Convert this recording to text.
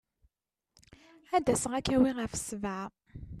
Ad d-aseɣ ad k-awiɣ ɣef sebɛa.